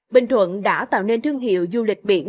bình thuận đã tạo nên thương hiệu du lịch biển